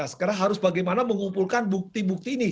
sekarang harus bagaimana mengumpulkan bukti bukti ini